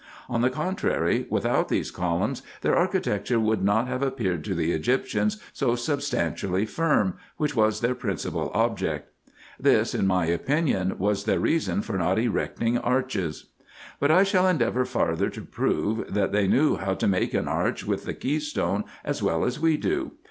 On the contrary, without these columns, their architecture would not have appeared to the Egyptians so substantiaDy firm, which was their principal object. This, in my opinion, was their reason for not erecting arches. But I shall endeavour farther to prove, that they knew how to make an arch with the key stone as well as we do.